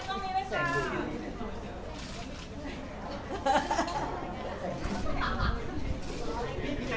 สวัสดีค่ะ